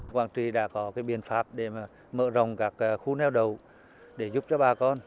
quảng trị đã có biện pháp để mở rộng các khu neo đậu để giúp cho bà con